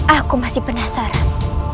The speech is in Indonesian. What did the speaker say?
aku masih penasaran